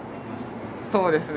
そうですね。